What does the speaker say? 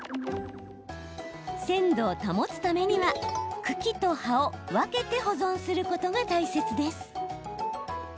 鮮度を保つためには、茎と葉を分けて保存することが大切です。